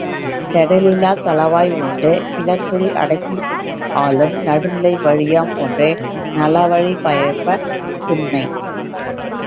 கெடலிலா தளவாய் உண்டு, கிளர்பொறி அடக்கி ஆளும் நடுநிலை வழியாம் ஒன்றே நலவழி பயப்ப துண்மை.